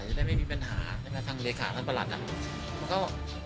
จะได้ไม่มีปัญหาใช่ไหมทางเลขาท่านประหลัดน่ะ